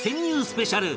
スペシャル